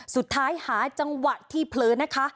สุดท้ายหาจังหวะที่เพลินนะคะ